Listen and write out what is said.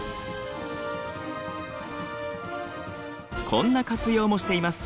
こんな活用もしています。